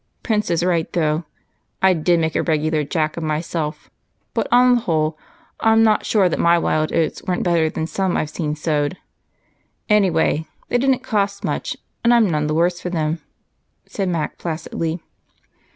Prince is right, though. I did make a regular jack of myself, but on the whole I'm not sure that my wild oats weren't better than some I've seen sowed. Anyway, they didn't cost much, and I'm none the worse for them," said Mac placidly.